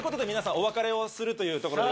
お別れをするというところで。